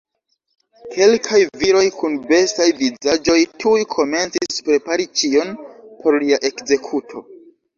Kelkaj viroj kun bestaj vizaĝoj tuj komencis prepari ĉion por lia ekzekuto.